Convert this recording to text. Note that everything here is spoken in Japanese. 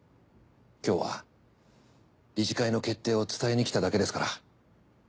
今日は理事会の決定を伝えにきただけですから。